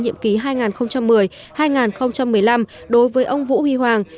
nhiệm ký hai nghìn một mươi hai nghìn một mươi năm đối với ông vũ huy hoàng